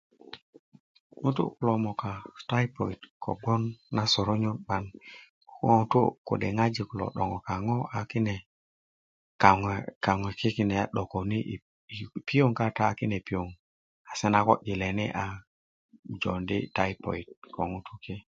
ŋutu kulo möka taypot kogwon na sörönyön 'bayin ko ŋutu kode ŋwajik kulo 'döŋö kaŋö ki kine a 'dököni i piöŋ kata a se na ko ileni a se na ko jondi taypot ko ŋutu ki